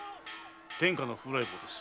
天下の風来坊です。